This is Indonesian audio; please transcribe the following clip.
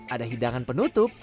ada hidangan penutup